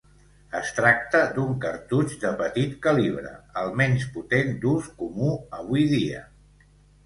Es tracta d'un cartutx de petit calibre, el menys potent d'ús comú avui dia.